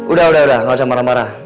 udah udah udah gak usah marah marah